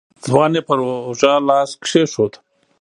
ځوان يې پر اوږه لاس کېښود.